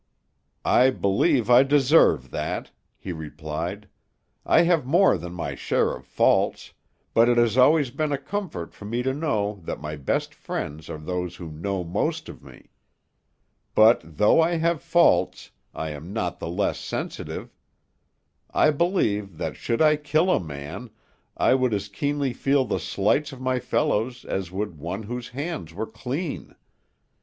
"I believe I deserve that," he replied. "I have more than my share of faults, but it has always been a comfort for me to know that my best friends are those who know most of me. But though I have faults, I am not the less sensitive. I believe that should I kill a man, I would as keenly feel the slights of my fellows as would one whose hands were clean.